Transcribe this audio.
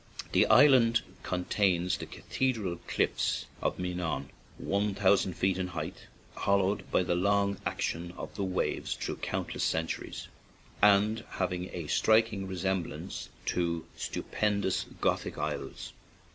The island contains the cathedral cliffs of Menawn, one thousand feet in height, hollowed by the long action of the waves through countless centuries, and having a striking resemblance to stupendous Gothic aisles.